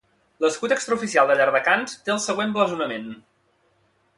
L'escut extraoficial de Llardecans té el següent blasonament.